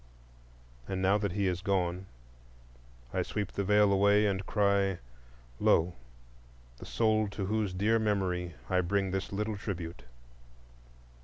And now that he is gone, I sweep the Veil away and cry, Lo! the soul to whose dear memory I bring this little tribute.